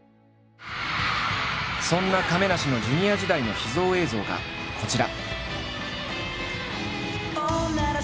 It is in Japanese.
そんな亀梨のＪｒ．時代の秘蔵映像がこちら。